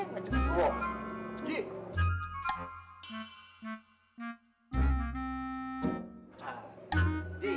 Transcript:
ngecut itu mak